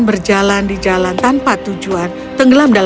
wszystko sudah kutuk pada luar nasional